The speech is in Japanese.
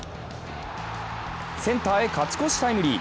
センターへ勝ち越しタイムリー。